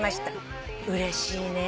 うれしいね。